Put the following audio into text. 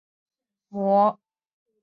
出生于美国马里兰州巴尔的摩。